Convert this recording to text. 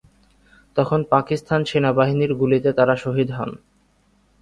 তখন পাকিস্তান সেনাবাহিনীর গুলিতে তারা শহীদ হন।